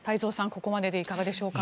ここまででいかがでしょうか。